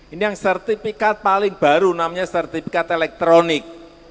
ini yang sertifikat paling baru namanya sertifikat elektronik